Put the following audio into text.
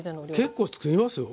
結構つくりますよ。